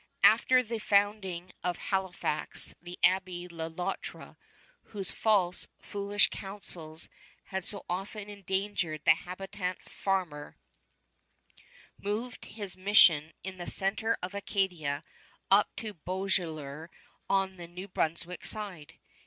After the founding of Halifax the Abbé Le Loutre, whose false, foolish counsels had so often endangered the habitant farmer, moved from his mission in the center of Acadia up to Beauséjour on the New Brunswick side.